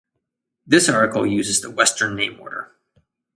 This article uses the Western name order.